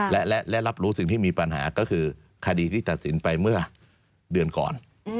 และรับรู้สิ่งที่มีปัญหาก็คือคดีที่ตัดสินไปเมื่อเดือนก่อน